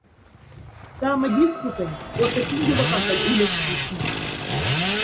Стама диспутонь, коса киндивок афоль уле скушна.